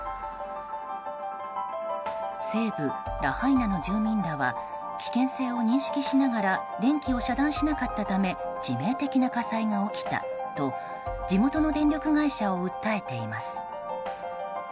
西部ラハイナの住民らは危険性を認識しながら電気を遮断しなかったため致命的な火災が起きたと地元の電力会社を訴えています。